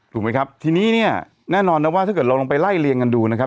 ถูกไหมครับทีนี้เนี่ยแน่นอนนะว่าถ้าเกิดเราลองไปไล่เรียงกันดูนะครับ